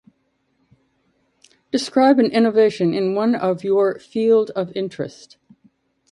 Describe an innovation in one of your field of interest.